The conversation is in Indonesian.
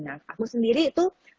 nah aku sendiri itu